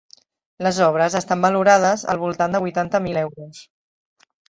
Les obres estan valorades al voltant de vuitanta mil euros.